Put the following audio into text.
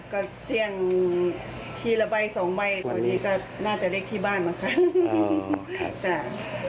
ก็เสียงทีละใบ๒ใบตัวนี้ก็น่าจะเล็กที่บ้านมาค่ะ